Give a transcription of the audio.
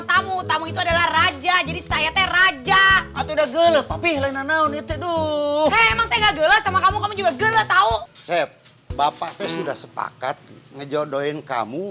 sampai jumpa di video selanjutnya